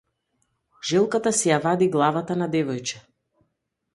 Желката си ја вади главата на девојче.